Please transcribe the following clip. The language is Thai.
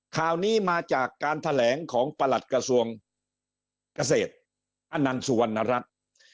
ข่าวนี้มาจากการแถลงของประหลัดกระทรวงเกษตรอนันต์สุวรรณรัฐ